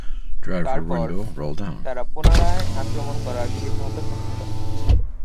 তারপর, তারা পুনরায় আক্রমণ করার সিদ্ধান্ত গ্রহণ করেন।